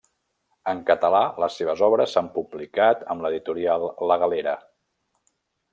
En català les seves obres s'han publicat amb editorial La Galera.